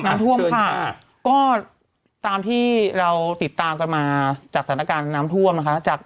น้ำท่วมค่ะก็ตามที่เราติดตามกันมาจากสถานการณ์น้ำท่วมนะคะจาก